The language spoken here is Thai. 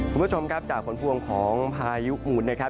คุณผู้ชมครับจากผลพวงของพายุมูลนะครับ